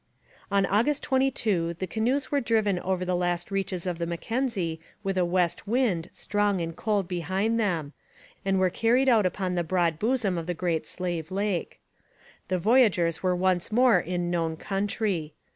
On August 22 the canoes were driven over the last reaches of the Mackenzie with a west wind strong and cold behind them, and were carried out upon the broad bosom of the Great Slave Lake. The voyageurs were once more in known country.